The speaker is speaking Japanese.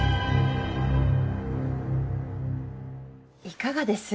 いかがです？